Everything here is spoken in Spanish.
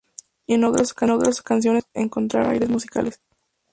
Y en las otras canciones podemos encontrar aires musicales.